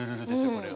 これは。